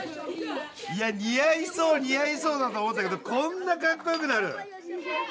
似合いそう似合いそうだと思ってたけどこんな格好よくなる？